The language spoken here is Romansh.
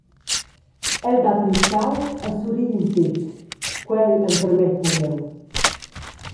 El dat il tgau e surri in tec: «Quei empermettel jeu.»